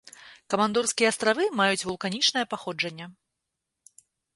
Камандорскія астравы маюць вулканічнае паходжанне.